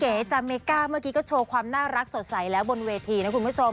จำเมก้าเมื่อกี้ก็โชว์ความน่ารักสดใสแล้วบนเวทีนะคุณผู้ชม